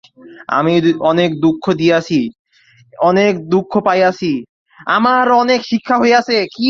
আমি অনেক দুঃখ দিয়াছি, অনেক দুঃখ পাইয়াছি, আমার অনেক শিক্ষা হইয়াছে।